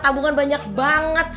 tabungan banyak banget